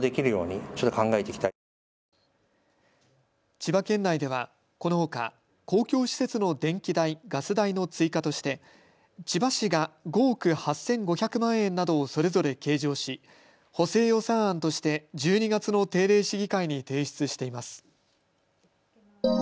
千葉県内ではこのほか公共施設の電気代・ガス代の追加として千葉市が５億８５００万円などをそれぞれ計上し補正予算案として１２月の定例市議会に提出しています。